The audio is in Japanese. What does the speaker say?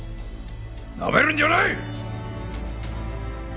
なめるんじゃない！